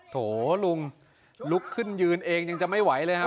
โถลุงลุกขึ้นยืนเองยังจะไม่ไหวเลยครับ